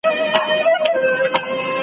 چي لږ مخکي له بل ځایه وو راغلی .